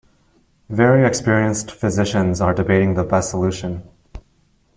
Very experienced physicians are debating the best solution.